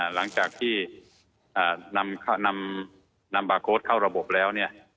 หลังจากที่นำบาร์โค้ดเข้าระบบแล้วเนี่ย